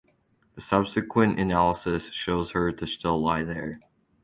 Subsequent analysis shows her to still lie there.